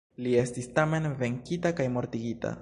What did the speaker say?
Li estis tamen venkita kaj mortigita.